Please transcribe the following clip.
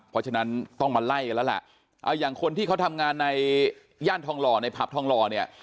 เพราะฉะนั้นต้องมาไล่กันแล้วล่ะเอาอย่างคนที่เขาทำงานในย่านทองหล่อในผับทองหล่อเนี่ย